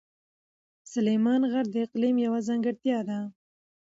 سلیمان غر د اقلیم یوه ځانګړتیا ده.